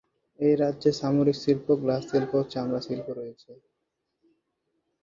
এই রাজ্যে সিরামিক শিল্প, গ্লাস শিল্প ও চামড়া শিল্প রয়েছে।